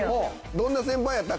どんな先輩やった？